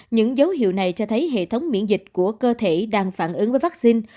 những dấu hiệu này cho thấy hệ thống miễn dịch của cơ thể đang phản ứng với vaccine